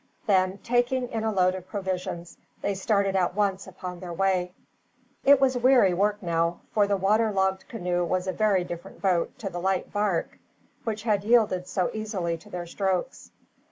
Then, taking in a load of provisions, they started at once upon their way. It was weary work now, for the water logged canoe was a very different boat to the light bark, which had yielded so easily to their strokes.